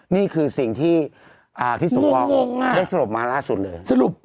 นี่คือสิ่งที่ที่สมพงษ์ได้สรมมาล่าสุดเลย